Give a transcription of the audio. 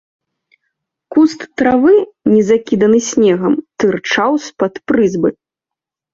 Куст травы, не закіданы снегам, тырчаў з-пад прызбы.